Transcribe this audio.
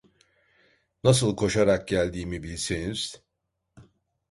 Nasıl koşarak geldiğimi bilseniz…